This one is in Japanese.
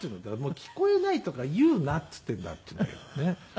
「聞こえないとか言うなって言っているんだ」って言うんだけどね。